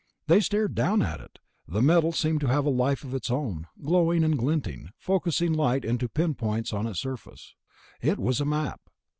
They stared down at it. The metal seemed to have a life of its own, glowing and glinting, focussing light into pinpoints on its surface. It was a map.